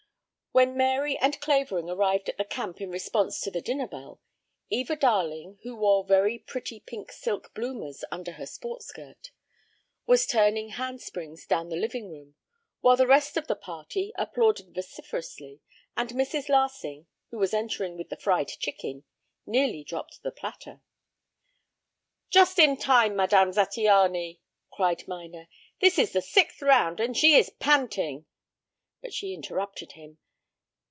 "_)] When Mary and Clavering arrived at the camp in response to the dinner bell, Eva Darling, who wore very pretty pink silk bloomers under her sport skirt, was turning hand springs down the living room, while the rest of the party applauded vociferously, and Mrs. Larsing, who was entering with the fried chicken, nearly dropped the platter. "Just in time, Madame Zattiany," cried Minor. "This is the sixth round and she is panting " But she interrupted him.